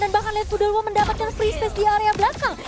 dan bahkan lihat fudolwo mendapatkan free space di area belakang